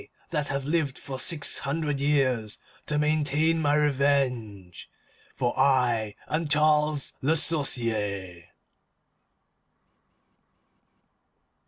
that have lived for six hundred years to maintain my revenge, FOR I AM CHARLES LE SORCIER!"